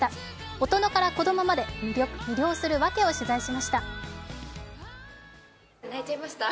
大人から子供まで魅了するわけを取材しました。